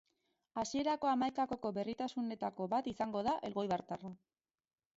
Hasierako hamaikakoko berritasunetako bat izango da elgoibartarra.